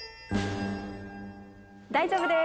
大丈夫です。